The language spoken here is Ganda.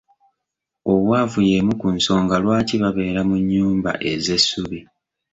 Obwavu y'emu ku nsonga lwaki babeera mu nnyumba ez'essubi.